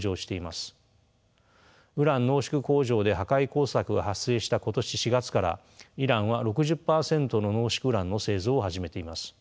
ウラン濃縮工場で破壊工作が発生した今年４月からイランは６０％の濃縮ウランの製造を始めています。